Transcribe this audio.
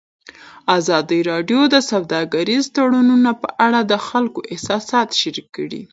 ازادي راډیو د سوداګریز تړونونه په اړه د خلکو احساسات شریک کړي.